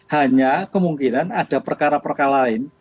hanya kemungkinan ada perkara perkara lain